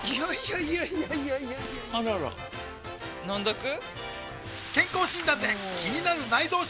いやいやいやいやあらら飲んどく？